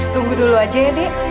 tunggu dulu aja ya dek